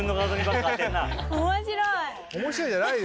面白い。